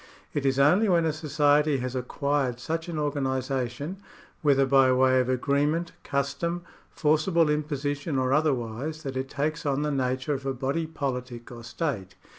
It is only when a society has acquired such an organisation, whether by way of agreement, custom, forcible imposition, or otherwise, that it takes on the nature of a body politic or state.